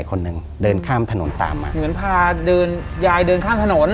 คนหนึ่งเดินข้ามถนนตามมาเหมือนพาเดินยายเดินข้ามถนน